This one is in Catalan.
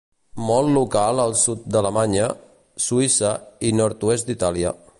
Molt local al sud d'Alemanya, Suïssa i nord-oest d'Itàlia.